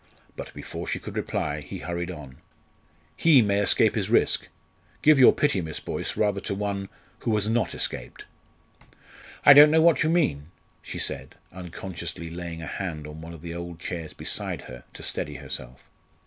But before she could reply he hurried on: "He may escape his risk. Give your pity, Miss Boyce, rather to one who has not escaped!" "I don't know what you mean," she said, unconsciously laying a hand on one of the old chairs beside her to steady herself.